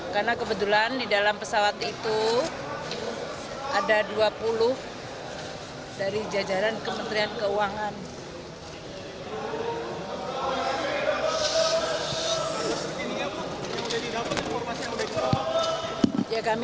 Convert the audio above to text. karena kebetulan di dalam pesawat itu ada dua puluh dari jajaran kementerian keuangan